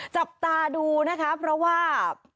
จับตาดูนะคะเพราะว่า